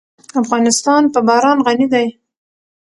افغانستان په باران غني دی.